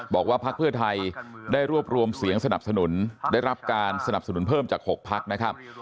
พักเพื่อไทยได้รวบรวมเสียงสนับสนุนได้รับการสนับสนุนเพิ่มจาก๖พักนะครับ